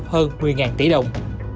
hơn một mươi tỷ đồng